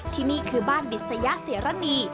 ที่นี่คือบ้านดิษยเสรณี